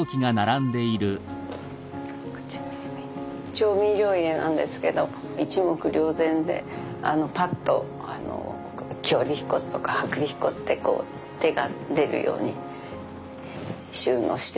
調味料入れなんですけど一目瞭然でパッと強力粉とか薄力粉ってこう手が出るように収納してみました。